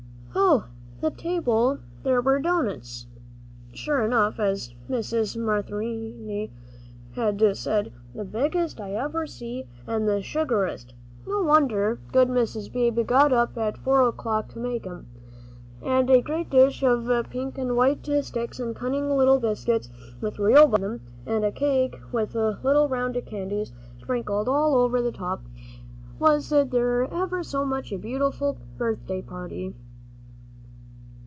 Oh, the table! There were doughnuts, sure enough, as Mrs. Marinthy had said, "The biggest I ever see, and the sugariest." No wonder good Mrs. Beebe got up at four o'clock to make them! And a great dish of pink and white sticks and cunning little biscuits with real butter on them, and a cake, with little round candies sprinkled all over the top. Was there ever such a beautiful birthday party!